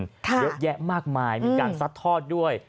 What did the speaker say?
เยอะแยะมากมายมีการซัดทอดด้วย